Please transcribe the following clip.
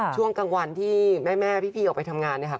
ช่วงกลางวันที่แม่พี่ออกไปทำงานเนี่ยค่ะ